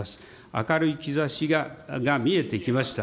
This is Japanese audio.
明るい兆しが見えてきました。